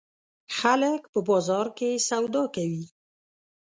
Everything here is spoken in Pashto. خلک په بازار کې سودا کوي.